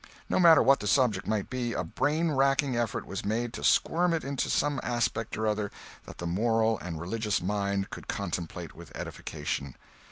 No matter what the subject might be, a brainracking effort was made to squirm it into some aspect or other that the moral and religious mind could contemplate with edification.